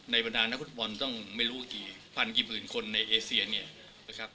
ในปัญหานครตภรรณ์ต้องไม่รู้กี่พันกี่หมื่นคนในเอเซียเนี่ยครับ